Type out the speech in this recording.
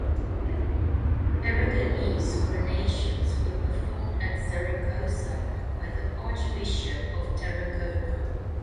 Aragonese coronations were performed at Zaragoza by the Archbishop of Tarragona.